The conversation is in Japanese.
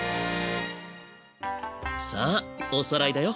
さあおさらいだよ。